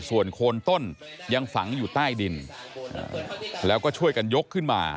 ส่วนโคนต้นยังฝังอยู่ใต้ดินแล้วก็ช่วยกันยกขึ้นมา